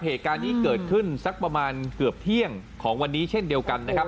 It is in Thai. เหตุการณ์นี้เกิดขึ้นสักประมาณเกือบเที่ยงของวันนี้เช่นเดียวกันนะครับ